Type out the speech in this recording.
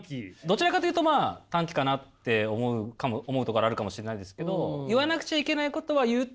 どちらかというとまあ短気かなって思うところがあるかもしれないですけど。